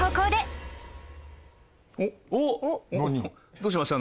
どうしました？